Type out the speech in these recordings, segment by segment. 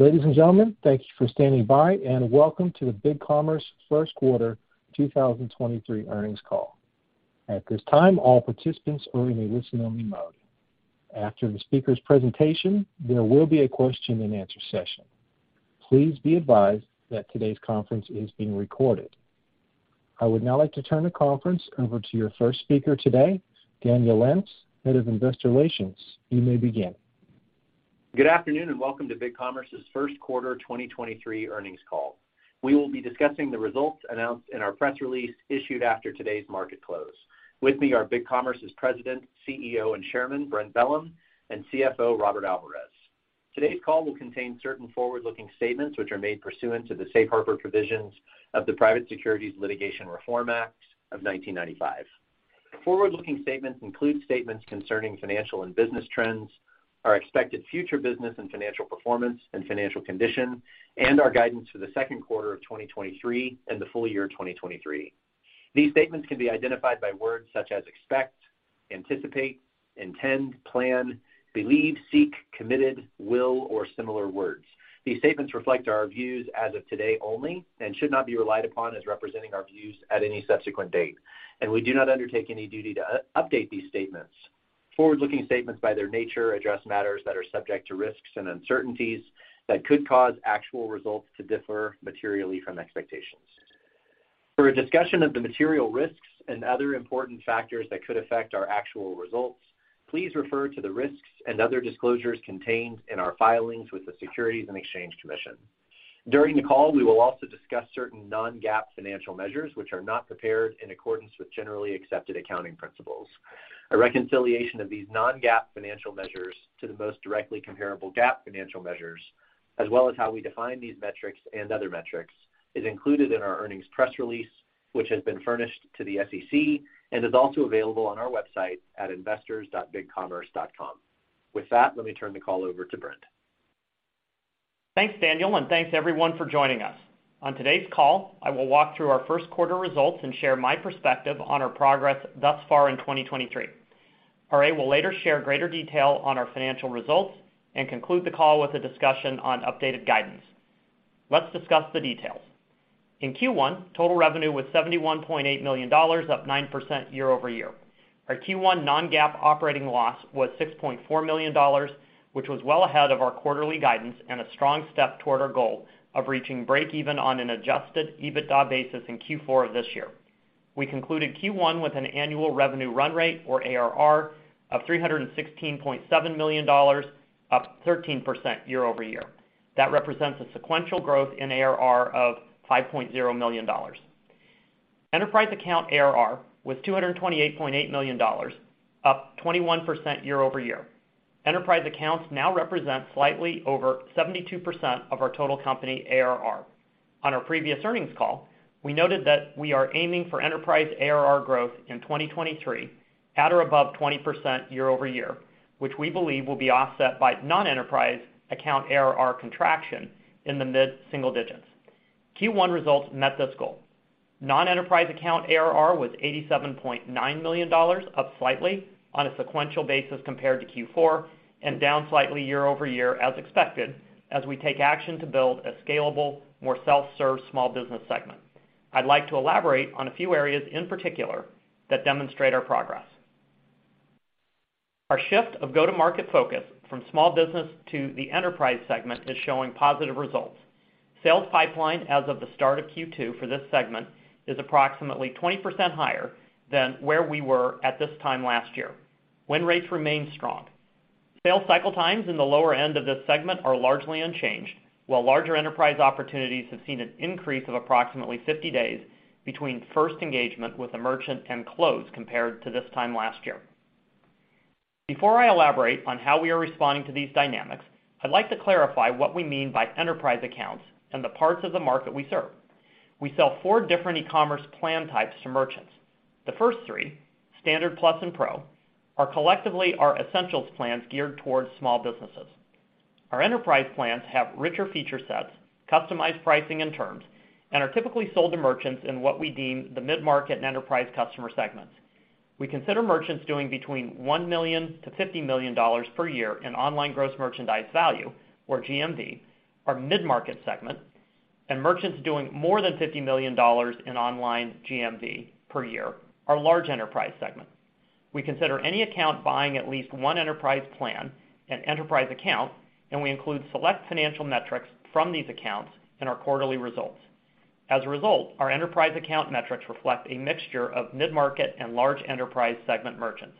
Ladies and gentlemen, thank you for standing by, and welcome to the BigCommerce first quarter 2023 earnings call. At this time, all participants are in a listen only mode. After the speaker's presentation, there will be a question and answer session. Please be advised that today's conference is being recorded. I would now like to turn the conference over to your first speaker today, Daniel Lentz, head of investor relations. You may begin. Good afternoon, and welcome to BigCommerce's 1st quarter 2023 earnings call. We will be discussing the results announced in our press release issued after today's market close. With me are BigCommerce's President, CEO, and Chairman, Brent Bellm, and CFO, Robert Alvarez. Today's call will contain certain forward-looking statements which are made pursuant to the safe harbor provisions of the Private Securities Litigation Reform Act of 1995. Forward-looking statements include statements concerning financial and business trends, our expected future business and financial performance and financial condition, and our guidance for the 2nd quarter of 2023 and the full year 2023. These statements can be identified by words such as expect, anticipate, intend, plan, believe, seek, committed, will, or similar words. These statements reflect our views as of today only and should not be relied upon as representing our views at any subsequent date, and we do not undertake any duty to update these statements. Forward-looking statements, by their nature, address matters that are subject to risks and uncertainties that could cause actual results to differ materially from expectations. For a discussion of the material risks and other important factors that could affect our actual results, please refer to the risks and other disclosures contained in our filings with the Securities and Exchange Commission. During the call, we will also discuss certain non-GAAP financial measures which are not prepared in accordance with generally accepted accounting principles. A reconciliation of these non-GAAP financial measures to the most directly comparable GAAP financial measures, as well as how we define these metrics and other metrics, is included in our earnings press release, which has been furnished to the SEC and is also available on our website at investors.bigcommerce.com. With that, let me turn the call over to Brent. Thanks, Daniel. Thanks everyone for joining us. On today's call, I will walk through our first quarter results and share my perspective on our progress thus far in 2023. RA will later share greater detail on our financial results and conclude the call with a discussion on updated guidance. Let's discuss the details. In Q1, total revenue was $71.8 million, up 9% year-over-year. Our Q1 non-GAAP operating loss was $6.4 million, which was well ahead of our quarterly guidance and a strong step toward our goal of reaching breakeven on an adjusted EBITDA basis in Q4 of this year. We concluded Q1 with an annual revenue run rate, or ARR, of $316.7 million, up 13% year-over-year. That represents a sequential growth in ARR of $5.0 million. Enterprise account ARR was $228.8 million, up 21% year-over-year. Enterprise accounts now represent slightly over 72% of our total company ARR. On our previous earnings call, we noted that we are aiming for enterprise ARR growth in 2023 at or above 20% year-over-year, which we believe will be offset by non-enterprise account ARR contraction in the mid-single digits. Q1 results met this goal. Non-enterprise account ARR was $87.9 million, up slightly on a sequential basis compared to Q4 and down slightly year-over-year as expected as we take action to build a scalable, more self-serve small business segment. I'd like to elaborate on a few areas in particular that demonstrate our progress. Our shift of go-to-market focus from small business to the enterprise segment is showing positive results. Sales pipeline as of the start of Q2 for this segment is approximately 20% higher than where we were at this time last year. Win rates remain strong. Sales cycle times in the lower end of this segment are largely unchanged, while larger enterprise opportunities have seen an increase of approximately 50 days between first engagement with a merchant and close compared to this time last year. Before I elaborate on how we are responding to these dynamics, I'd like to clarify what we mean by enterprise accounts and the parts of the market we serve. We sell four different e-commerce plan types to merchants. The first three, Standard, Plus, and Pro, are collectively our Essentials plans geared towards small businesses. Our Enterprise plans have richer feature sets, customized pricing and terms, and are typically sold to merchants in what we deem the mid-market and enterprise customer segments. We consider merchants doing between $1 million-$50 million per year in online gross merchandise value, or GMV, our mid-market segment, and merchants doing more than $50 million in online GMV per year, our large enterprise segment. We consider any account buying at least one enterprise plan an enterprise account, and we include select financial metrics from these accounts in our quarterly results. As a result, our enterprise account metrics reflect a mixture of mid-market and large enterprise segment merchants.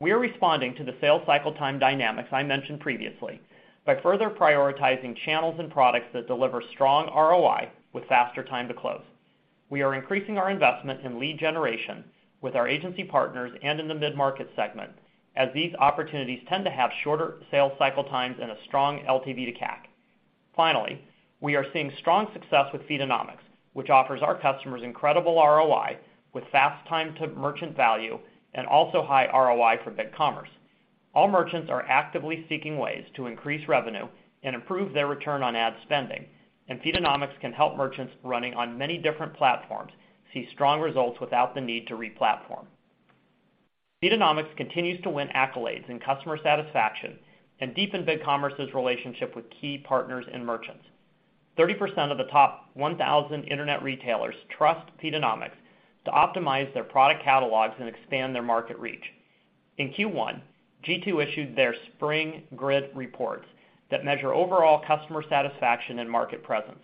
We are responding to the sales cycle time dynamics I mentioned previously by further prioritizing channels and products that deliver strong ROI with faster time to close. We are increasing our investment in lead generation with our agency partners and in the mid-market segment, as these opportunities tend to have shorter sales cycle times and a strong LTV to CAC. Finally, we are seeing strong success with Feedonomics, which offers our customers incredible ROI with fast time to merchant value and also high ROI for BigCommerce. All merchants are actively seeking ways to increase revenue and improve their return on ad spending. Feedonomics can help merchants running on many different platforms see strong results without the need to re-platform. Feedonomics continues to win accolades in customer satisfaction and deepen BigCommerce's relationship with key partners and merchants. 30% of the top 1,000 Internet retailers trust Feedonomics to optimize their product catalogs and expand their market reach. In Q1, G2 issued their spring grid reports that measure overall customer satisfaction and market presence.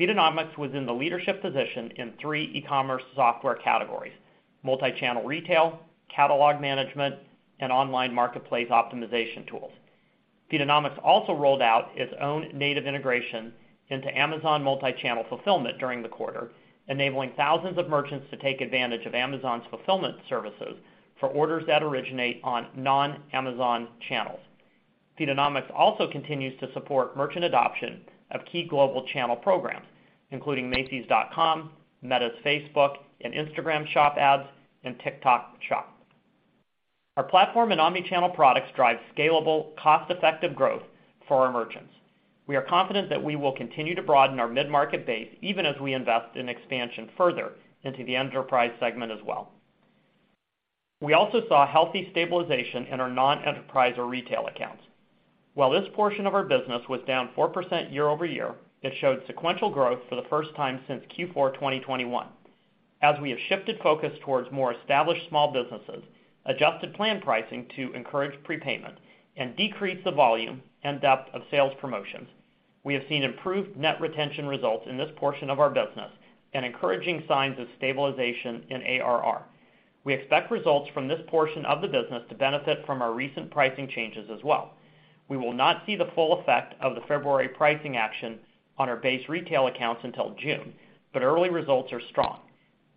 Feedonomics was in the leadership position in three e-commerce software categories: multi-channel retail, catalog management, and online marketplace optimization tools. Feedonomics also rolled out its own native integration into Amazon Multi-Channel Fulfillment during the quarter, enabling thousands of merchants to take advantage of Amazon's fulfillment services for orders that originate on non-Amazon channels. Feedonomics also continues to support merchant adoption of key global channel programs, including Macy's dot com, Meta's Facebook and Instagram shop ads, and TikTok Shop. Our platform and omni-channel products drive scalable, cost-effective growth for our merchants. We are confident that we will continue to broaden our mid-market base, even as we invest in expansion further into the enterprise segment as well. We also saw healthy stabilization in our non-enterprise or retail accounts. While this portion of our business was down 4% year-over-year, it showed sequential growth for the first time since Q4 2021. As we have shifted focus towards more established small businesses, adjusted plan pricing to encourage prepayment, and decrease the volume and depth of sales promotions, we have seen improved net retention results in this portion of our business and encouraging signs of stabilization in ARR. We expect results from this portion of the business to benefit from our recent pricing changes as well. We will not see the full effect of the February pricing action on our base retail accounts until June, but early results are strong.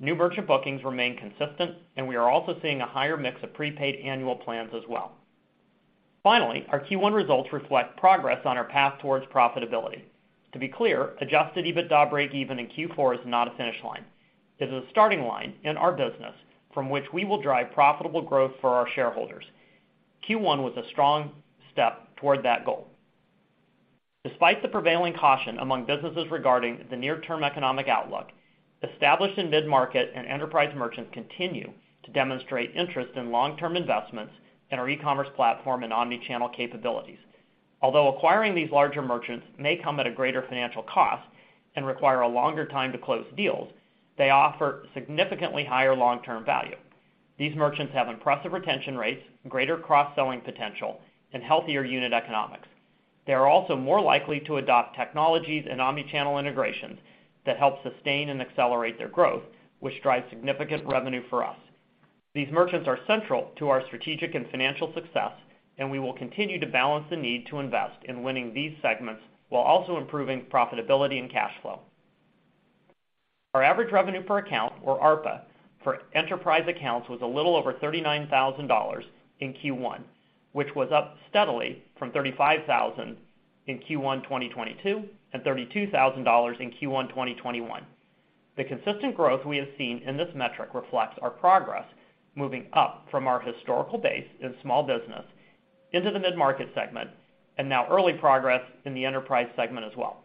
New merchant bookings remain consistent, and we are also seeing a higher mix of prepaid annual plans as well. Our Q1 results reflect progress on our path towards profitability. To be clear, adjusted EBITDA breakeven in Q4 is not a finish line. It is a starting line in our business from which we will drive profitable growth for our shareholders. Q1 was a strong step toward that goal. Despite the prevailing caution among businesses regarding the near-term economic outlook, established and mid-market and enterprise merchants continue to demonstrate interest in long-term investments in our e-commerce platform and omni-channel capabilities. Although acquiring these larger merchants may come at a greater financial cost and require a longer time to close deals, they offer significantly higher long-term value. These merchants have impressive retention rates, greater cross-selling potential, and healthier unit economics. They are also more likely to adopt technologies and omni-channel integrations that help sustain and accelerate their growth, which drives significant revenue for us. These merchants are central to our strategic and financial success, and we will continue to balance the need to invest in winning these segments while also improving profitability and cash flow. Our average revenue per account, or ARPA, for enterprise accounts was a little over $39,000 in Q1, which was up steadily from $35,000 in Q1 2022 and $32,000 in Q1 2021. The consistent growth we have seen in this metric reflects our progress moving up from our historical base in small business into the mid-market segment and now early progress in the enterprise segment as well.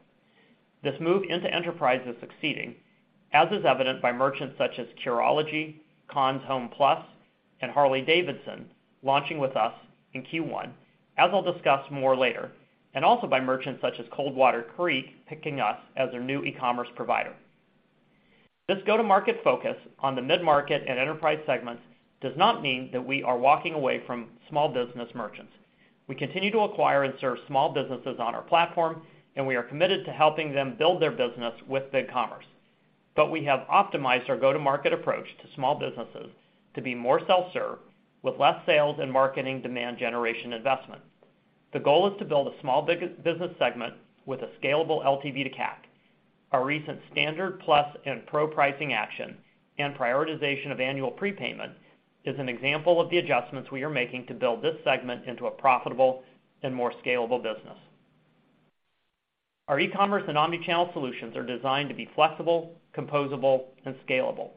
This move into enterprise is succeeding, as is evident by merchants such as Curology, Conn's HomePlus, and Harley-Davidson launching with us in Q1, as I'll discuss more later, and also by merchants such as Coldwater Creek picking us as their new e-commerce provider. This go-to-market focus on the mid-market and enterprise segments does not mean that we are walking away from small business merchants. We continue to acquire and serve small businesses on our platform, we are committed to helping them build their business with BigCommerce. We have optimized our go-to-market approach to small businesses to be more self-serve with less sales and marketing demand generation investment. The goal is to build a small business segment with a scalable LTV to CAP. Our recent standard plus and pro pricing action and prioritization of annual prepayment is an example of the adjustments we are making to build this segment into a profitable and more scalable business. Our e-commerce and omni-channel solutions are designed to be flexible, composable, and scalable,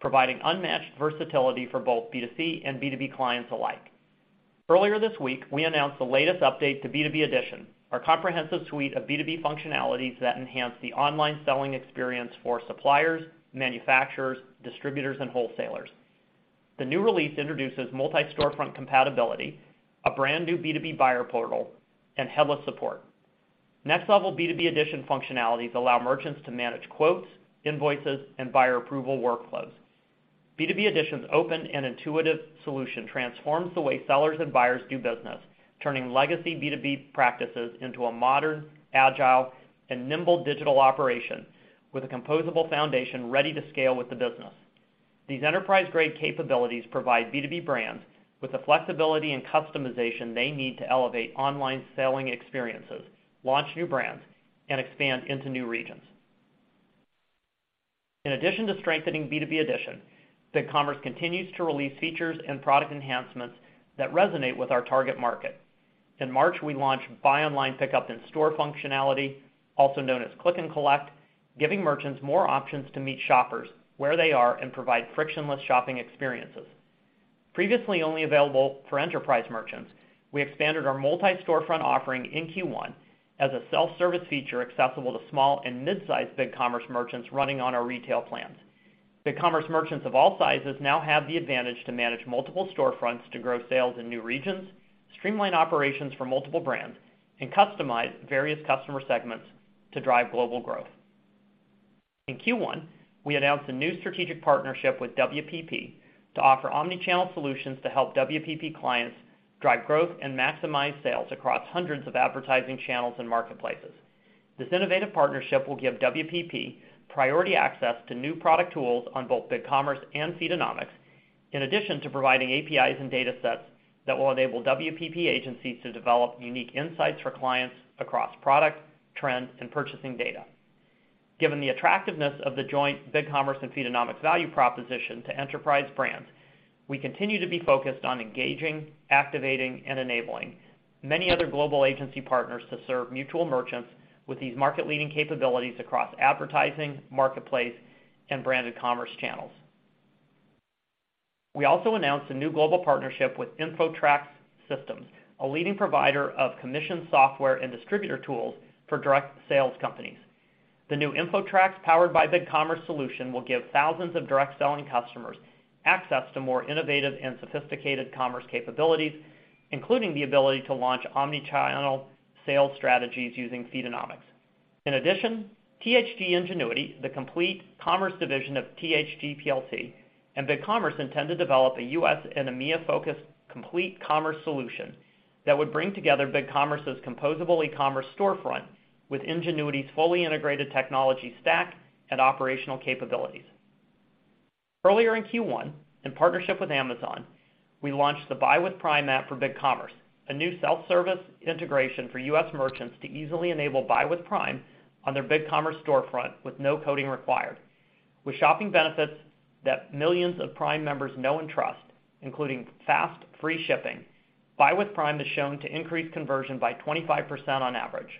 providing unmatched versatility for both B2C and B2B clients alike. Earlier this week, we announced the latest update to B2B Edition, our comprehensive suite of B2B functionalities that enhance the online selling experience for suppliers, manufacturers, distributors, and wholesalers. The new release introduces Multi-Storefront compatibility, a brand-new B2B buyer portal, and headless support. Next level B2B Edition functionalities allow merchants to manage quotes, invoices, and buyer approval workflows. B2B Edition's open and intuitive solution transforms the way sellers and buyers do business, turning legacy B2B practices into a modern, agile, and nimble digital operation with a composable foundation ready to scale with the business. These enterprise-grade capabilities provide B2B brands with the flexibility and customization they need to elevate online selling experiences, launch new brands, and expand into new regions. In addition to strengthening B2B Edition, BigCommerce continues to release features and product enhancements that resonate with our target market. In March, we launched buy online, pickup in store functionality, also known as click and collect, giving merchants more options to meet shoppers where they are and provide frictionless shopping experiences. Previously only available for enterprise merchants, we expanded our Multi-Storefront offering in Q1 as a self-service feature accessible to small and mid-sized BigCommerce merchants running on our retail plans. BigCommerce merchants of all sizes now have the advantage to manage multiple Multi-Storefronts to grow sales in new regions, streamline operations for multiple brands, and customize various customer segments to drive global growth. In Q1, we announced a new strategic partnership with WPP to offer omni-channel solutions to help WPP clients drive growth and maximize sales across hundreds of advertising channels and marketplaces. This innovative partnership will give WPP priority access to new product tools on both BigCommerce and Feedonomics, in addition to providing APIs and data sets that will enable WPP agencies to develop unique insights for clients across product, trends, and purchasing data. Given the attractiveness of the joint BigCommerce and Feedonomics value proposition to enterprise brands, we continue to be focused on engaging, activating, and enabling many other global agency partners to serve mutual merchants with these market-leading capabilities across advertising, marketplace, and branded commerce channels. We also announced a new global partnership with InfoTrax Systems, a leading provider of commission software and distributor tools for direct sales companies. The new InfoTrax, powered by BigCommerce solution, will give thousands of direct selling customers access to more innovative and sophisticated commerce capabilities, including the ability to launch omni-channel sales strategies using Feedonomics. In addition, THG Ingenuity, the complete commerce division of THG PLC, and BigCommerce intend to develop a U.S. and EMEIA-focused complete commerce solution that would bring together BigCommerce's composable e-commerce storefront with Ingenuity's fully integrated technology stack and operational capabilities. Earlier in Q1, in partnership with Amazon, we launched the Buy with Prime app for BigCommerce, a new self-service integration for U.S. merchants to easily enable Buy with Prime on their BigCommerce storefront with no coding required. With shopping benefits that millions of Prime members know and trust, including fast, free shipping, Buy with Prime is shown to increase conversion by 25% on average.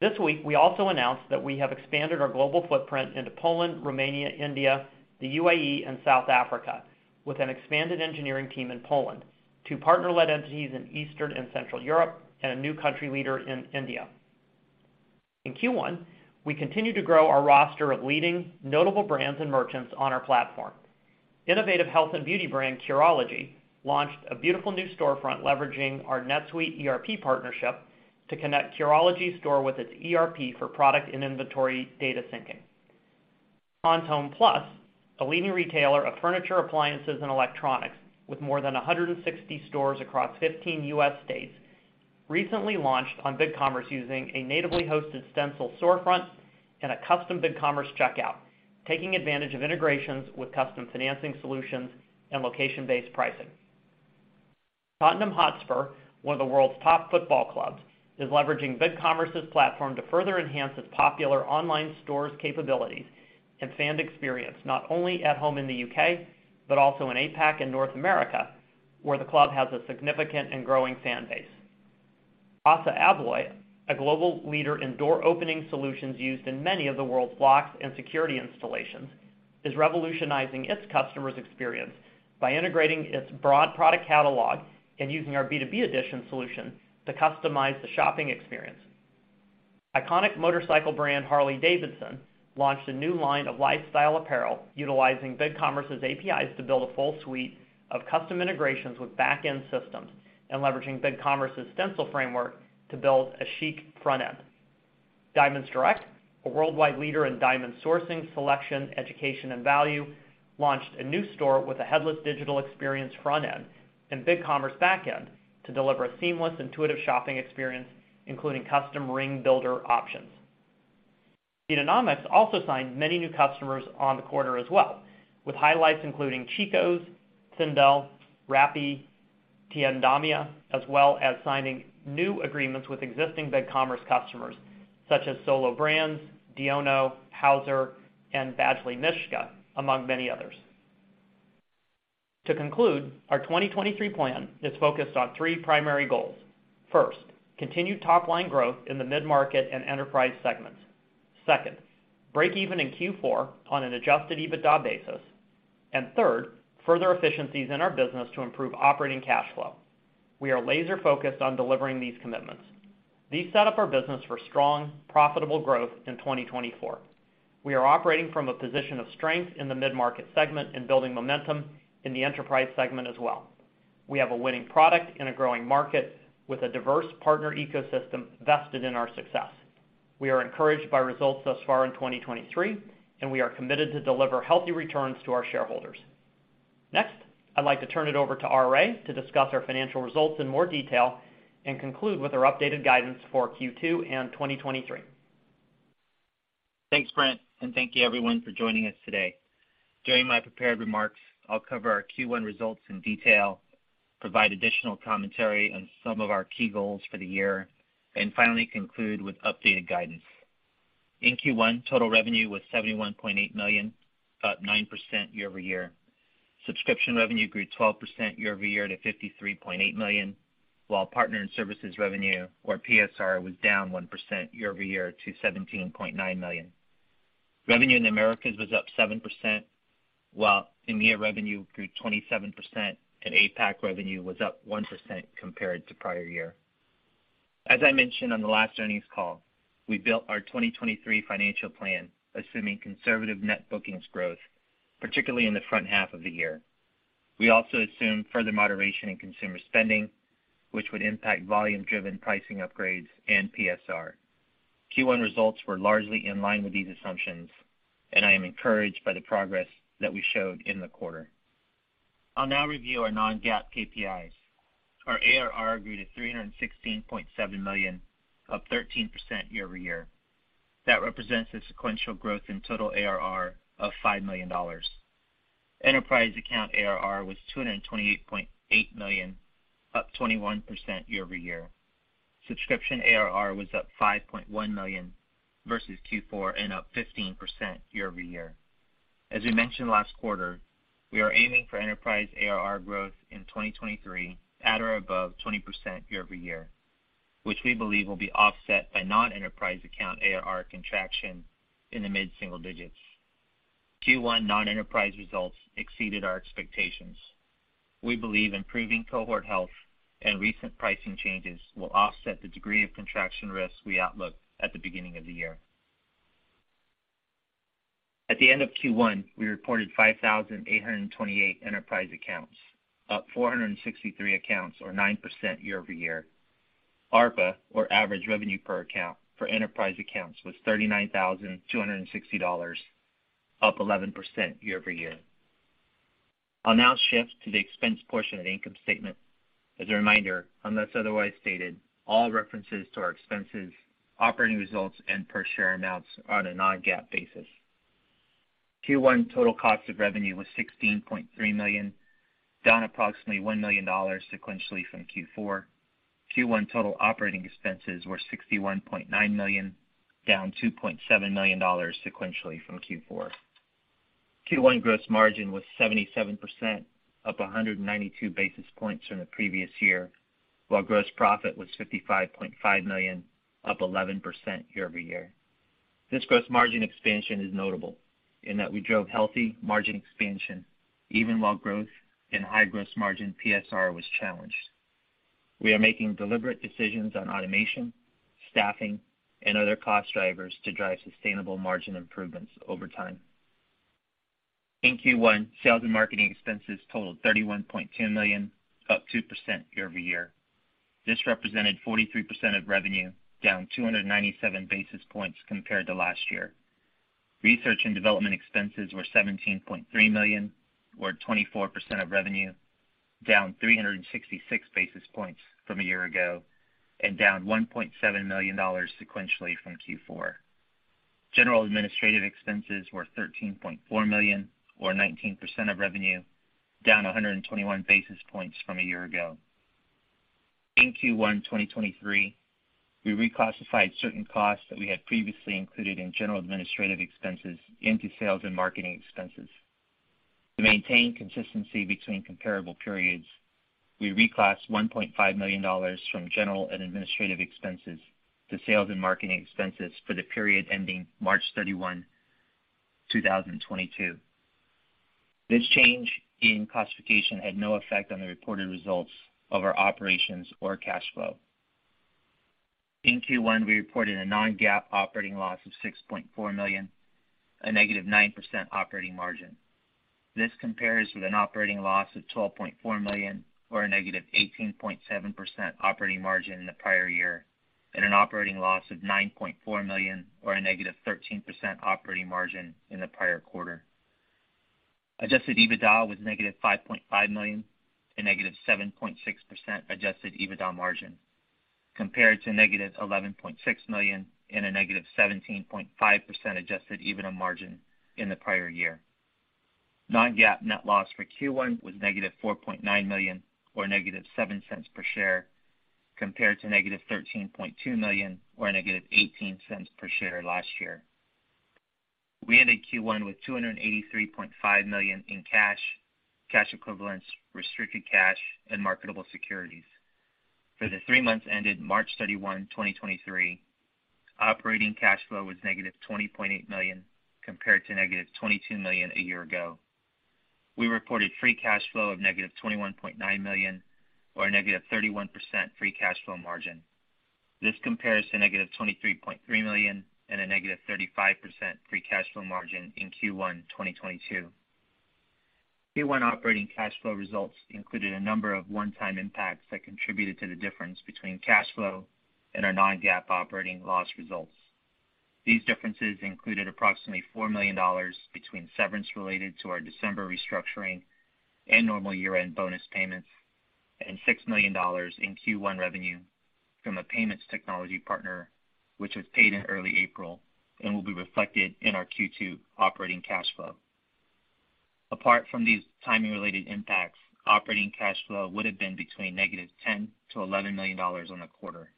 This week, we also announced that we have expanded our global footprint into Poland, Romania, India, the U.A.E., and South Africa, with an expanded engineering team in Poland, two partner-led entities in Eastern and Central Europe, and a new country leader in India. In Q1, we continued to grow our roster of leading notable brands and merchants on our platform. Innovative health and beauty brand, Curology, launched a beautiful new storefront leveraging our NetSuite ERP partnership to connect Curology's store with its ERP for product and inventory data syncing. Conn's HomePlus, a leading retailer of furniture, appliances, and electronics with more than 160 stores across 15 U.S. states, recently launched on BigCommerce using a natively hosted Stencil storefront and a custom BigCommerce checkout, taking advantage of integrations with custom financing solutions and location-based pricing. Tottenham Hotspur, one of the world's top football clubs, is leveraging BigCommerce's platform to further enhance its popular online store's capabilities and fan experience, not only at home in the U.K., but also in APAC and North America, where the club has a significant and growing fan base. ASSA ABLOY, a global leader in door opening solutions used in many of the world's locks and security installations, is revolutionizing its customers' experience by integrating its broad product catalog and using our B2B Edition solution to customize the shopping experience. Iconic motorcycle brand, Harley-Davidson, launched a new line of lifestyle apparel utilizing BigCommerce's APIs to build a full suite of custom integrations with back-end systems and leveraging BigCommerce's Stencil framework to build a chic front end. Diamonds Direct, a worldwide leader in diamond sourcing, selection, education, and value, launched a new store with a headless digital experience front end and BigCommerce back end to deliver a seamless, intuitive shopping experience, including custom ring builder options. Feedonomics also signed many new customers on the quarter as well, with highlights including Chico's, Sindel, Rappi, Tiendamia, as well as signing new agreements with existing BigCommerce customers such as Solo Brands, Diono, Hauser, and Badgley Mischka, among many others. To conclude, our 2023 plan is focused on three primary goals. First, continued top-line growth in the mid-market and enterprise segments. Second, break even in Q4 on an adjusted EBITDA basis. And third, further efficiencies in our business to improve operating cash flow. We are laser-focused on delivering these commitments. These set up our business for strong, profitable growth in 2024. We are operating from a position of strength in the mid-market segment and building momentum in the enterprise segment as well. We have a winning product in a growing market with a diverse partner ecosystem vested in our success. We are encouraged by results thus far in 2023, and we are committed to deliver healthy returns to our shareholders. Next, I'd like to turn it over to RA to discuss our financial results in more detail and conclude with our updated guidance for Q2 and 2023. Thanks, Brent. Thank you everyone for joining us today. During my prepared remarks, I'll cover our Q1 results in detail, provide additional commentary on some of our key goals for the year, and finally conclude with updated guidance. In Q1, total revenue was $71.8 million, up 9% year-over-year. Subscription revenue grew 12% year-over-year to $53.8 million, while partner and services revenue, or PSR, was down 1% year-over-year to $17.9 million. Revenue in the Americas was up 7%, while EMEIA revenue grew 27% and APAC revenue was up 1% compared to prior year. As I mentioned on the last earnings call, we built our 2023 financial plan assuming conservative net bookings growth, particularly in the front half of the year. We also assumed further moderation in consumer spending, which would impact volume-driven pricing upgrades and PSR. Q1 results were largely in line with these assumptions, and I am encouraged by the progress that we showed in the quarter. I'll now review our non-GAAP KPIs. Our ARR grew to $316.7 million, up 13% year-over-year. That represents a sequential growth in total ARR of $5 million. Enterprise account ARR was $228.8 million, up 21% year-over-year. Subscription ARR was up $5.1 million versus Q4 and up 15% year-over-year. As we mentioned last quarter, we are aiming for enterprise ARR growth in 2023 at or above 20% year-over-year, which we believe will be offset by non-enterprise account ARR contraction in the mid-single digits. Q1 non-enterprise results exceeded our expectations. We believe improving cohort health and recent pricing changes will offset the degree of contraction risk we outlooked at the beginning of the year. At the end of Q1, we reported 5,828 enterprise accounts, up 463 accounts or 9% year-over-year. ARPA, or Average Revenue Per Account, for enterprise accounts was $39,260, up 11% year-over-year. I'll now shift to the expense portion of the income statement. As a reminder, unless otherwise stated, all references to our expenses, operating results, and per share amounts are on a non-GAAP basis. Q1 total cost of revenue was $16.3 million, down approximately $1 million sequentially from Q4. Q1 total operating expenses were $61.9 million, down $2.7 million sequentially from Q4. Q1 gross margin was 77%, up 192 basis points from the previous year, while gross profit was $55.5 million, up 11% year-over-year. This gross margin expansion is notable in that we drove healthy margin expansion even while growth in high gross margin PSR was challenged. We are making deliberate decisions on automation, staffing, and other cost drivers to drive sustainable margin improvements over time. In Q1, sales and marketing expenses totaled $31.2 million, up 2% year-over-year. This represented 43% of revenue, down 297 basis points compared to last year. Research and development expenses were $17.3 million or 24% of revenue, down 366 basis points from a year ago, and down $1.7 million sequentially from Q4. General administrative expenses were $13.4 million or 19% of revenue, down 121 basis points from a year ago. In Q1 2023, we reclassified certain costs that we had previously included in general administrative expenses into sales and marketing expenses. To maintain consistency between comparable periods, we reclassed $1.5 million from general and administrative expenses to sales and marketing expenses for the period ending March 31, 2022. This change in classification had no effect on the reported results of our operations or cash flow. In Q1, we reported a non-GAAP operating loss of $6.4 million, a negative 9% operating margin. This compares with an operating loss of $12.4 million or a -18.7% operating margin in the prior year, and an operating loss of $9.4 million or a -13% operating margin in the prior quarter. Adjusted EBITDA was -$5.5 million, a -7.6% Adjusted EBITDA margin, compared to -$11.6 million and a -17.5% Adjusted EBITDA margin in the prior year. Non-GAAP net loss for Q1 was -$4.9 million or -$0.07 per share, compared to -$13.2 million or -$0.18 per share last year. We ended Q1 with $283.5 million in cash equivalents, restricted cash, and marketable securities. For the 3 months ended March 31, 2023, operating cash flow was -$20.8 million compared to -$22 million a year ago. We reported free cash flow of negative $21.9 million or a -31% free cash flow margin. This compares to -$23.3 million and -35% free cash flow margin in Q1 2022. Q1 operating cash flow results included a number of one-time impacts that contributed to the difference between cash flow and our non-GAAP operating loss results. These differences included approximately $4 million between severance related to our December restructuring and normal year-end bonus payments, and $6 million in Q1 revenue from a payments technology partner, which was paid in early April and will be reflected in our Q2 operating cash flow. Apart from these timing-related impacts, operating cash flow would have been between negative $10 million-$11 million on the quarter.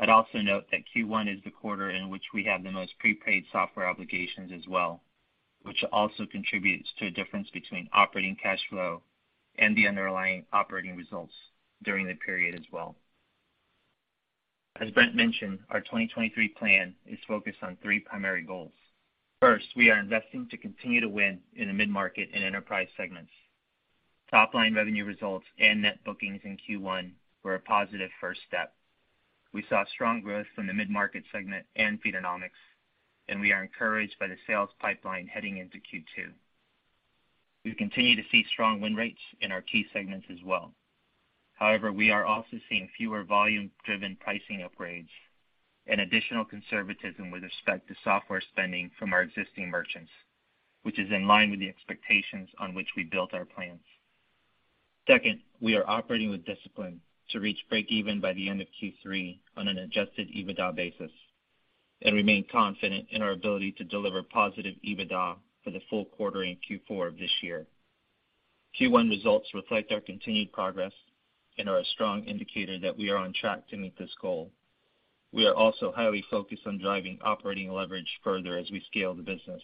I'd also note that Q1 is the quarter in which we have the most prepaid software obligations as well, which also contributes to a difference between operating cash flow and the underlying operating results during the period as well. As Brent mentioned, our 2023 plan is focused on three primary goals. First, we are investing to continue to win in the mid-market and enterprise segments. Top-line revenue results and net bookings in Q1 were a positive first step. We saw strong growth from the mid-market segment and Feedonomics, we are encouraged by the sales pipeline heading into Q2. We continue to see strong win rates in our key segments as well. However, we are also seeing fewer volume-driven pricing upgrades and additional conservatism with respect to software spending from our existing merchants, which is in line with the expectations on which we built our plans. Second, we are operating with discipline to reach break even by the end of Q3 on an adjusted EBITDA basis and remain confident in our ability to deliver positive EBITDA for the full quarter in Q4 of this year. Q1 results reflect our continued progress and are a strong indicator that we are on track to meet this goal. We are also highly focused on driving operating leverage further as we scale the business.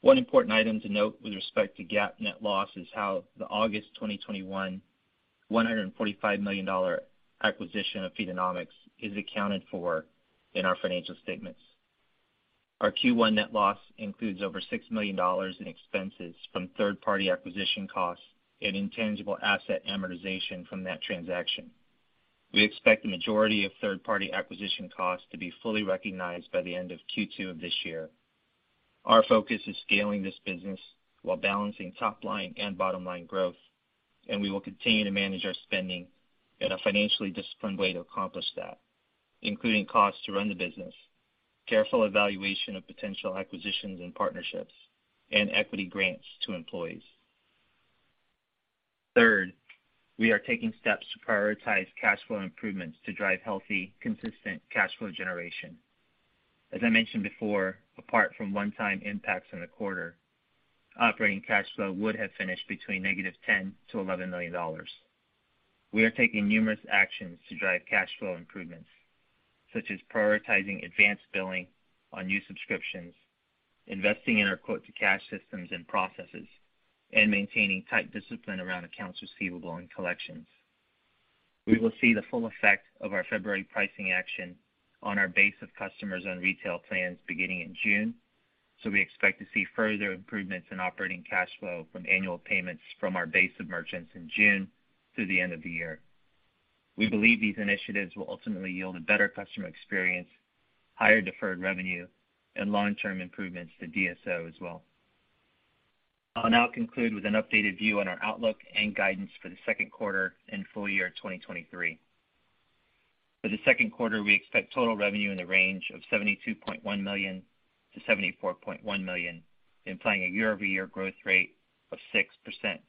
One important item to note with respect to GAAP net loss is how the August 2021 $145 million acquisition of Feedonomics is accounted for in our financial statements. Our Q1 net loss includes over $6 million in expenses from third-party acquisition costs and intangible asset amortization from that transaction. We expect the majority of third-party acquisition costs to be fully recognized by the end of Q2 of this year. Our focus is scaling this business while balancing top line and bottom-line growth. We will continue to manage our spending in a financially disciplined way to accomplish that, including costs to run the business, careful evaluation of potential acquisitions and partnerships, and equity grants to employees. Third, we are taking steps to prioritize cash flow improvements to drive healthy, consistent cash flow generation. As I mentioned before, apart from one-time impacts in the quarter, operating cash flow would have finished between -$10 million to -$11 million. We are taking numerous actions to drive cash flow improvements, such as prioritizing advanced billing on new subscriptions, investing in our quote-to-cash systems and processes, and maintaining tight discipline around accounts receivable and collections. We will see the full effect of our February pricing action on our base of customers on retail plans beginning in June. We expect to see further improvements in operating cash flow from annual payments from our base of merchants in June through the end of the year. We believe these initiatives will ultimately yield a better customer experience, higher deferred revenue, and long-term improvements to DSO as well. I'll now conclude with an updated view on our outlook and guidance for the second quarter and full year 2023.For the second quarter, we expect total revenue in the range of $72.1 million-$74.1 million, implying a year-over-year growth rate of 6%-9%.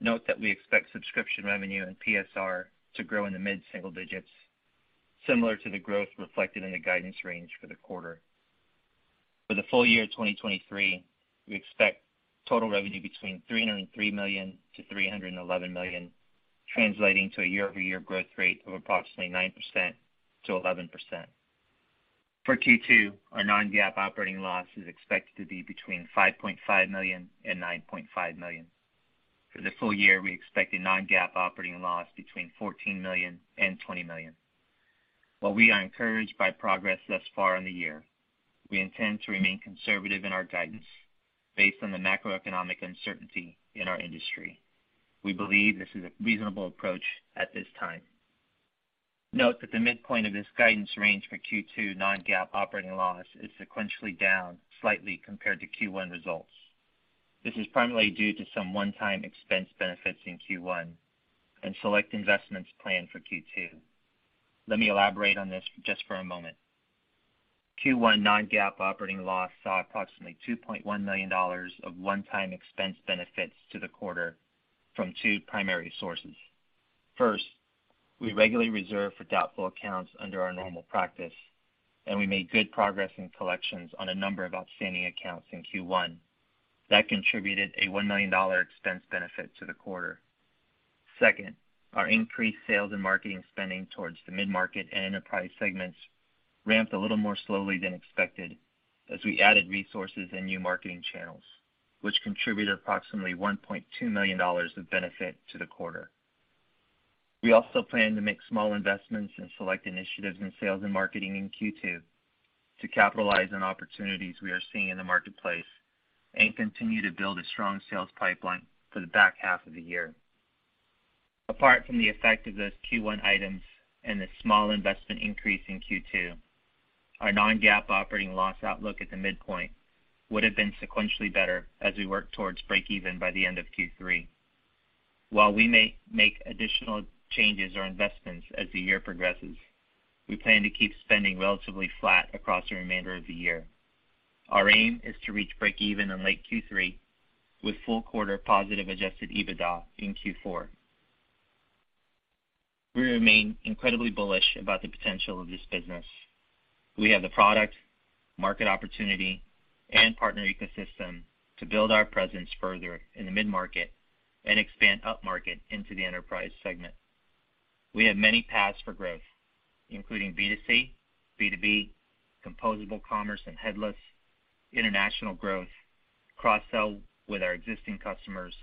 Note that we expect subscription revenue and PSR to grow in the mid-single digits, similar to the growth reflected in the guidance range for the quarter. For the full year 2023, we expect total revenue between $303 million-$311 million, translating to a year-over-year growth rate of approximately 9%-11%. For Q2, our non-GAAP operating loss is expected to be between $5.5 million and $9.5 million. For the full year, we expect a non-GAAP operating loss between $14 million and $20 million. While we are encouraged by progress thus far in the year, we intend to remain conservative in our guidance based on the macroeconomic uncertainty in our industry. We believe this is a reasonable approach at this time. Note that the midpoint of this guidance range for Q2 non-GAAP operating loss is sequentially down slightly compared to Q1 results. This is primarily due to some one-time expense benefits in Q1 and select investments planned for Q2. Let me elaborate on this just for a moment. Q1 non-GAAP operating loss saw approximately $2.1 million of one-time expense benefits to the quarter from two primary sources. First, we regularly reserve for doubtful accounts under our normal practice. We made good progress in collections on a number of outstanding accounts in Q1. That contributed a $1 million expense benefit to the quarter. Second, our increased sales and marketing spending towards the mid-market and enterprise segments ramped a little more slowly than expected as we added resources and new marketing channels, which contributed approximately $1.2 million of benefit to the quarter. We also plan to make small investments in select initiatives in sales and marketing in Q2 to capitalize on opportunities we are seeing in the marketplace and continue to build a strong sales pipeline for the back half of the year. Apart from the effect of those Q1 items and the small investment increase in Q2, our non-GAAP operating loss outlook at the midpoint would have been sequentially better as we work towards break even by the end of Q3. While we may make additional changes or investments as the year progresses, we plan to keep spending relatively flat across the remainder of the year. Our aim is to reach break even in late Q3 with full quarter positive adjusted EBITDA in Q4. We remain incredibly bullish about the potential of this business. We have the product, market opportunity, and partner ecosystem to build our presence further in the mid-market and expand upmarket into the enterprise segment. We have many paths for growth, including B2C, B2B, composable commerce and headless, international growth, cross-sell with our existing customers,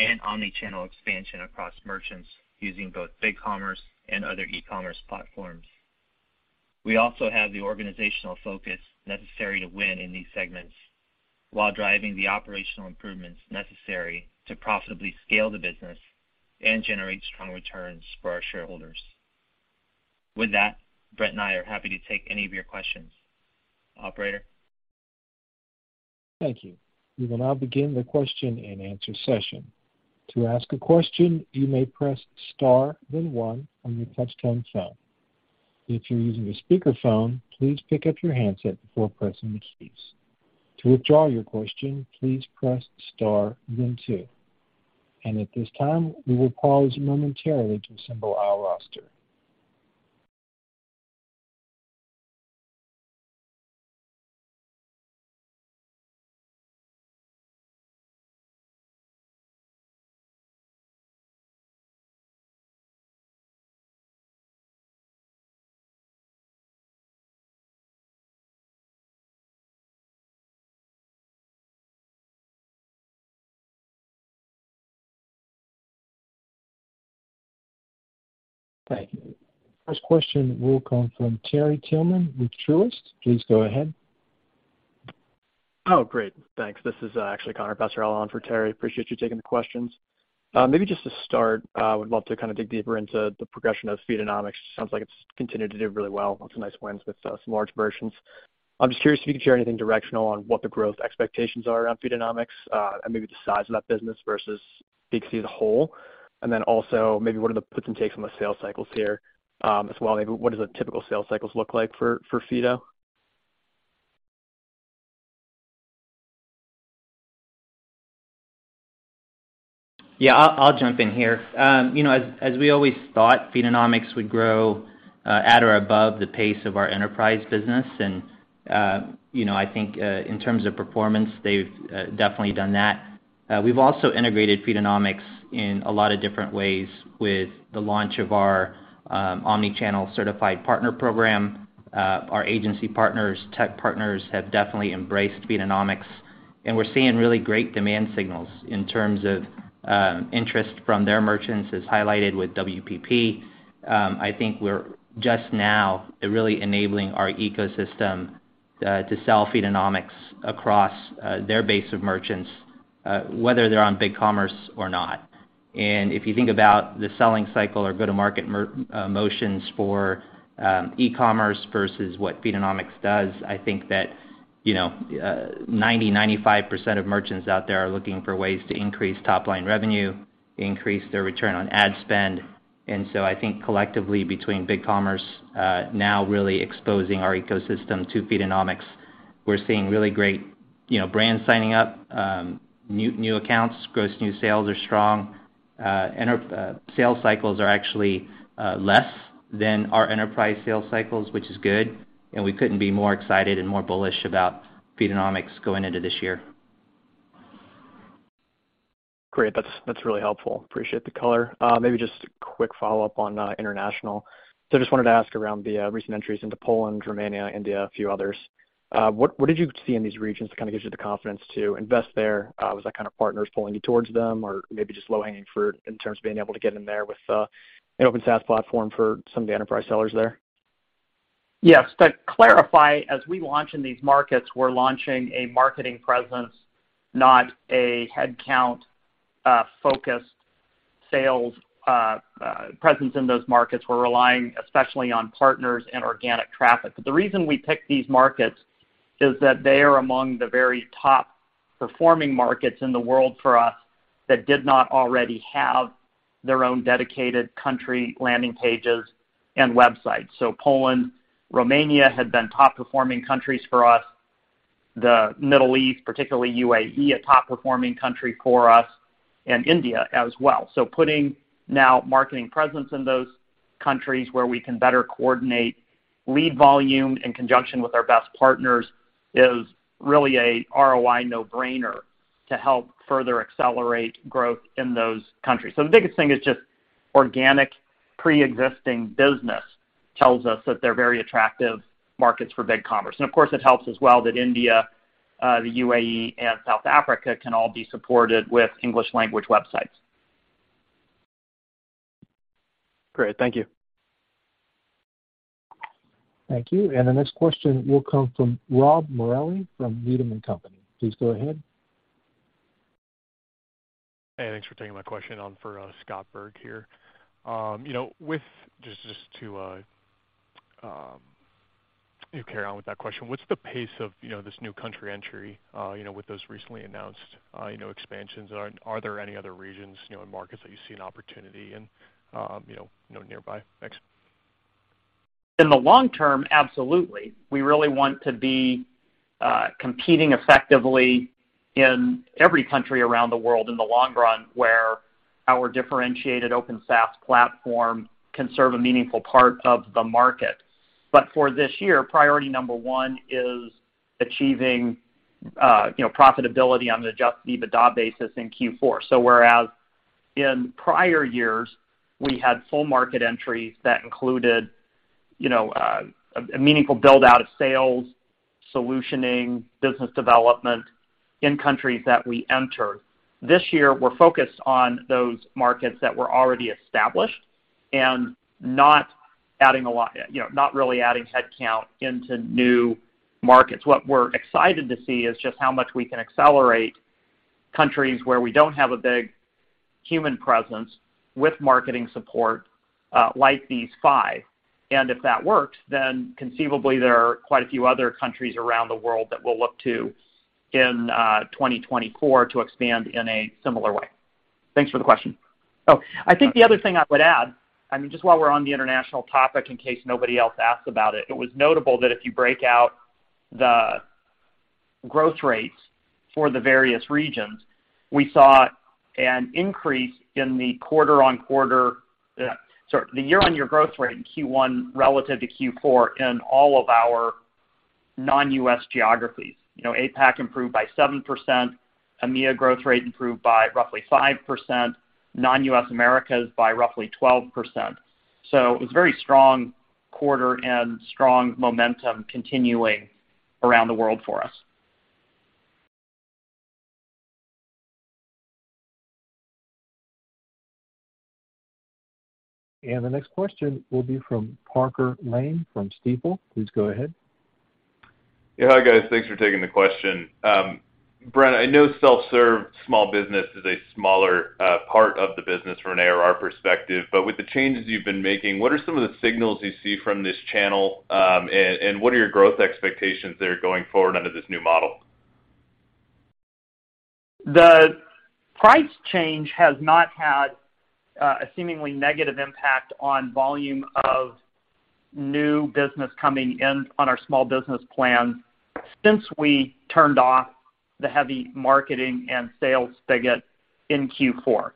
and omni-channel expansion across merchants using both BigCommerce and other e-commerce platforms. We also have the organizational focus necessary to win in these segments while driving the operational improvements necessary to profitably scale the business and generate strong returns for our shareholders. With that, Brent and I are happy to take any of your questions. Operator? Thank you. We will now begin the question-and-answer session. To ask a question, you may press Star then one on your touchtone phone. If you're using a speakerphone, please pick up your handset before pressing the keys. To withdraw your question, please press Star then two. At this time, we will pause momentarily to assemble our roster. Thank you. First question will come from Terry Tillman with Truist. Please go ahead. Oh, great. Thanks. This is actually Connor Passarella on for Terry. Appreciate you taking the questions. Maybe just to start, would love to kinda dig deeper into the progression of Feedonomics. Sounds like it's continued to do really well, lots of nice wins with some large versions. I'm just curious if you could share anything directional on what the growth expectations are around Feedonomics, and maybe the size of that business versus Big C as a whole. Then also maybe what are the puts and takes on the sales cycles here, as well, maybe what does the typical sales cycles look like for Feedonomics? Yeah, I'll jump in here. You know, as we always thought, Feedonomics would grow at or above the pace of our enterprise business. You know, I think in terms of performance, they've definitely done that. We've also integrated Feedonomics in a lot of different ways with the launch of our omni-channel certified partner program. Our agency partners, tech partners, have definitely embraced Feedonomics, and we're seeing really great demand signals in terms of interest from their merchants, as highlighted with WPP. I think we're just now really enabling our ecosystem to sell Feedonomics across their base of merchants, whether they're on BigCommerce or not. If you think about the selling cycle or go-to-market motions for e-commerce versus what Feedonomics does, I think that, you know, 90-95% of merchants out there are looking for ways to increase top-line revenue, increase their return on ad spend. I think collectively between BigCommerce, now really exposing our ecosystem to Feedonomics, we're seeing really great, you know, brands signing up, new accounts. Gross new sales are strong. Our sales cycles are actually less than our enterprise sales cycles, which is good, and we couldn't be more excited and more bullish about Feedonomics going into this year. Great. That's really helpful. Appreciate the color. Maybe just a quick follow-up on international. I just wanted to ask around the recent entries into Poland, Romania, India, a few others. What did you see in these regions that kinda gives you the confidence to invest there? Was that kind of partners pulling you towards them or maybe just low-hanging fruit in terms of being able to get in there with an open SaaS platform for some of the enterprise sellers there? Yes. To clarify, as we launch in these markets, we're launching a marketing presence, not a headcount focused sales presence in those markets. We're relying especially on partners and organic traffic. The reason we pick these markets is that they are among the very top-performing markets in the world for us that did not already have their own dedicated country landing pages and websites. Poland, Romania had been top-performing countries for us. The Middle East, particularly UAE, a top-performing country for us, and India as well. Putting now marketing presence in those countries where we can better coordinate lead volume in conjunction with our best partners is really a ROI no-brainer to help further accelerate growth in those countries. The biggest thing is just organic pre-existing business tells us that they're very attractive markets for BigCommerce. Of course, it helps as well that India, the UAE, and South Africa can all be supported with English language websites. Great. Thank you. Thank you. The next question will come from Scott Berg from Needham & Company. Please go ahead. Hey, thanks for taking my question. On for Scott Berg here. Just to, you know, carry on with that question, what's the pace of, you know, this new country entry, you know, with those recently announced, you know, expansions? Are there any other regions, you know, and markets that you see an opportunity in, you know, you know, nearby? Thanks. In the long term, absolutely. We really want to be competing effectively in every country around the world in the long run, where our differentiated open SaaS platform can serve a meaningful part of the market. For this year, priority number one is achieving, you know, profitability on the adjusted EBITDA basis in Q4. Whereas in prior years, we had full market entries that included, you know, a meaningful build-out of salesSolutioning business development in countries that we enter. This year, we're focused on those markets that were already established and not adding a lot, you know, not really adding headcount into new markets. What we're excited to see is just how much we can accelerate countries where we don't have a big human presence with marketing support, like these 5. If that works, then conceivably there are quite a few other countries around the world that we'll look to in 2024 to expand in a similar way. Thanks for the question. I think the other thing I would add, I mean, just while we're on the international topic in case nobody else asks about it was notable that if you break out the growth rates for the various regions, we saw an increase in the quarter-over-quarter, sorry, the year-over-year growth rate in Q1 relative to Q4 in all of our non-U.S. geographies. You know, APAC improved by 7%, EMEA growth rate improved by roughly 5%, non-U.S. Americas by roughly 12%. It was a very strong quarter and strong momentum continuing around the world for us. The next question will be from Parker Lane from Stifel. Please go ahead. Yeah. Hi, guys. Thanks for taking the question. Brent, I know self-serve small business is a smaller part of the business from an ARR perspective. With the changes you've been making, what are some of the signals you see from this channel, and what are your growth expectations there going forward under this new model? The price change has not had a seemingly negative impact on volume of new business coming in on our small business plan since we turned off the heavy marketing and sales spigot in Q4.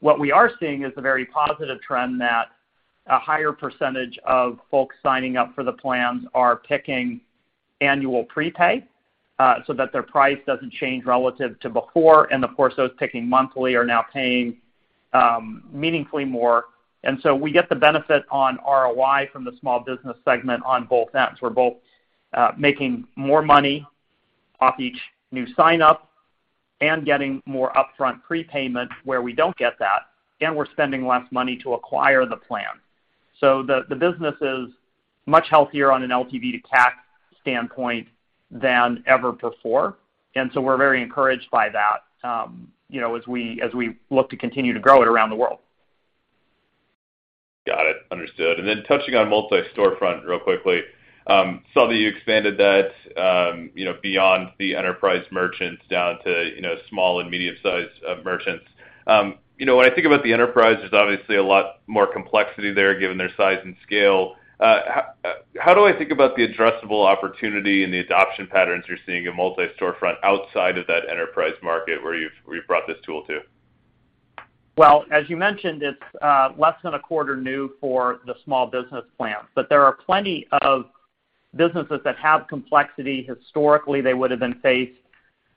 What we are seeing is a very positive trend that a higher % of folks signing up for the plans are picking annual prepay so that their price doesn't change relative to before. Of course, those picking monthly are now paying meaningfully more. We get the benefit on ROI from the small business segment on both ends. We're both making more money off each new sign-up and getting more upfront prepayment where we don't get that, and we're spending less money to acquire the plan. The business is much healthier on an LTV to CAC standpoint than ever before, and so we're very encouraged by that, you know, as we look to continue to grow it around the world. Got it. Understood. Touching on Multi-Storefront real quickly, saw that you expanded that, you know, beyond the enterprise merchants down to, you know, small and medium-sized merchants. You know, when I think about the enterprise, there's obviously a lot more complexity there given their size and scale. How do I think about the addressable opportunity and the adoption patterns you're seeing in Multi-Storefront outside of that enterprise market where you've brought this tool to? Well, as you mentioned, it's less than a quarter new for the small business plan. There are plenty of businesses that have complexity. Historically, they would have been faced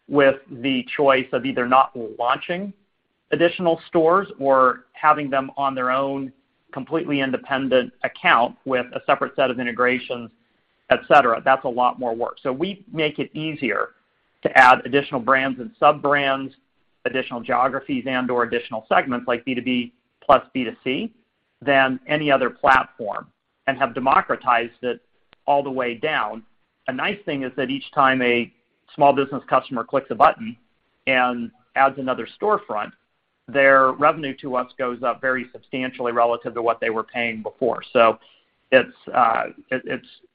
with the choice of either not launching additional stores or having them on their own completely independent account with a separate set of integrations, et cetera. That's a lot more work. We make it easier to add additional brands and sub-brands, additional geographies, and/or additional segments like B2B plus B2C than any other platform, and have democratized it all the way down. A nice thing is that each time a small business customer clicks a button and adds another storefront, their revenue to us goes up very substantially relative to what they were paying before. it's